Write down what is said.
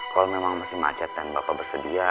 kalau memang masih macet dan bapak bersedia